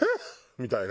みたいな。